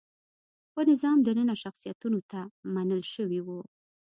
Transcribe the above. په نظام دننه شخصیتونو ته منل شوي وو.